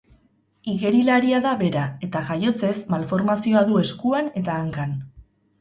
Igerilaria da bera, eta jaiotzez malformazioa du eskuan eta hankan.